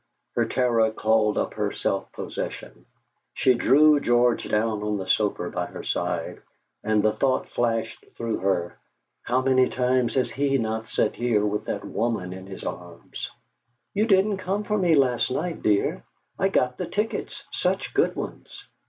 Her terror called up her self possession. She drew George down on the sofa by her side, and the thought flashed through her: 'How many times has he not sat here with that woman in his arms!' "You didn't come for me last night, dear! I got the tickets, such good ones!"